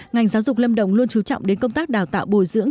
ngành giáo dục lâm đồng luôn chú trọng đến công tác đào tạo bồi dưỡng